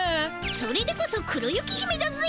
それでこそ黒雪姫だぜ！